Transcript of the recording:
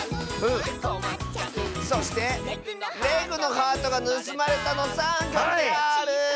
そして「レグのハートがぬすまれた！」の３きょくである！